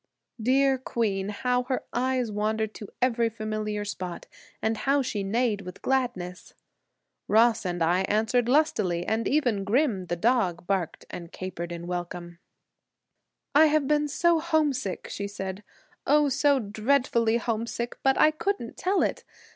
Dear Queen, how her eyes wandered to every familiar spot and how she neighed with gladness! Ross and I answered lustily, and even Grim, the dog, barked and capered in welcome. "I have been so homesick," she said, "oh, so dreadfully homesick, but I couldn't tell it!